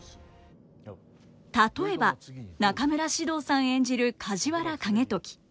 例えば中村獅童さん演じる梶原景時。